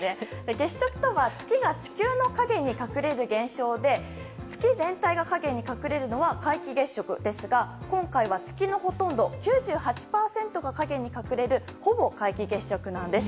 月食とは月が地球の影に隠れる現象で月全体が影に隠れるのは皆既月食ですが今回は月のほとんど９８％が影に隠れるほぼ皆既月食なんです。